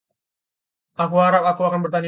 Aku harap aku akan bertahan hidup.